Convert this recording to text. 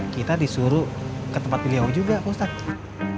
kita disuruh ke tempat beliau juga ustadz